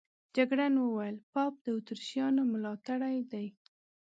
جګړن وویل پاپ د اتریشیانو ملاتړی دی.